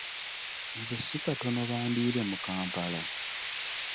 Nze si katono bandiire mu Kampala!